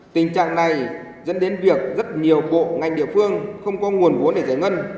tình trạng này dẫn đến việc rất nhiều bộ ngành địa phương không có nguồn vốn để giải ngân